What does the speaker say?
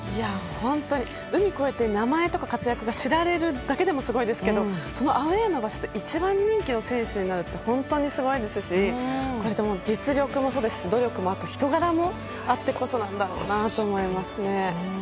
本当に、海を越えて名前とか活躍が知られるだけでもすごいんですけど、アウェーで一番人気の選手になるのは本当にすごいですしこれで実力もそうですし努力も、人柄もあってこそなんだと思いますね。